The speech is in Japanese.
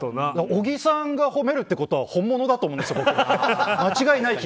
小木さんが褒めるってことは本物だと思うんです、僕。